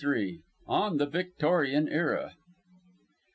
he says." ON THE VICTORIAN ERA.